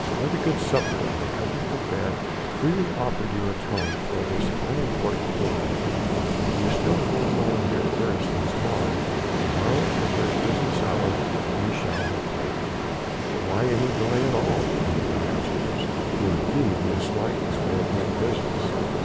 Let a good supper and a comfortable bed freely offered you atone for this unimportant delay. You still hold Mynheer Beresteyn's bond: to morrow at the first business hour you shall be paid." "But why any delay at all?" thundered Diogenes, who indeed misliked this way of doing business.